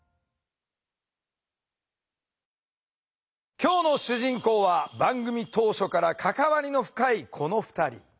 今日の主人公は番組当初から関わりの深いこの２人。